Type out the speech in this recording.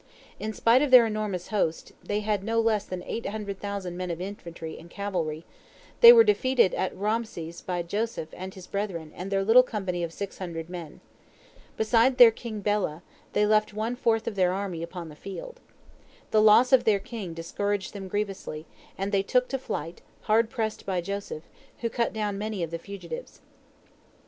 In spite of their enormous host—they had no less than eight hundred thousand men of infantry and cavalry—they were defeated at Raamses by Joseph and his brethren and their little company of six hundred men. Beside their king Bela, they left one fourth of their army upon the field. The loss of their king discouraged them grievously, and they took to flight, hard pressed by Joseph, who cut down many of the fugitives.